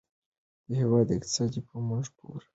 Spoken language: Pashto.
د هېواد اقتصاد په موږ پورې اړه لري.